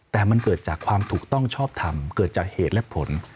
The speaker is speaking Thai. แต่มันเกิดจากความถูกต้องชอบทำเกิดจากเหตุและผล